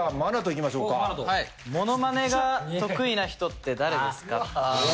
モノマネが得意な人って誰ですか？